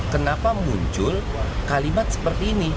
kenapa muncul kalimat seperti ini